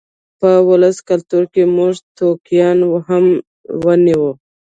په ولسي کلتور کې موږ ټوکیان هم وینو.